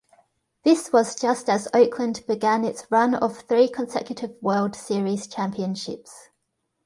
This was just as Oakland began its run of three consecutive World Series championships.